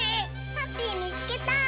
ハッピーみつけた！